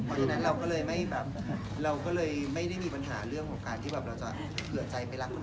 เพราะฉะนั้นเราก็เลยไม่ได้มีปัญหาเรื่องของการที่เราจะเผื่อใจไปรักคนอื่น